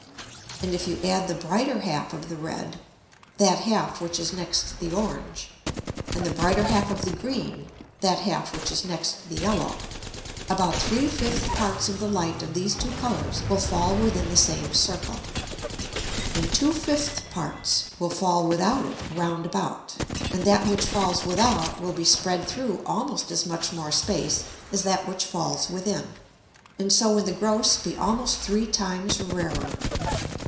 And if you add the brighter half of the red, (that half which is next the orange) and the brighter half of the green, (that half which is next the yellow) about three fifth Parts of the Light of these two Colours will fall within the same Circle, and two fifth Parts will fall without it round about; and that which falls without will be spread through almost as much more space as that which falls within, and so in the gross be almost three times rarer.